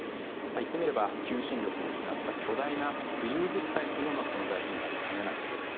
言ってみれば、求心力を失った巨大な浮遊物体のような存在になりかねないわけです。